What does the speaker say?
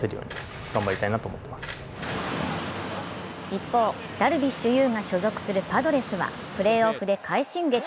一方、ダルビッシュ有が所属するパドレスはプレーオフで快進撃。